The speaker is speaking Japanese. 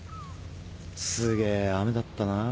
すげえ雨だったなあ。